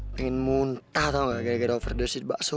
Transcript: pengen muntah tahu gak gara gara overdosed bakso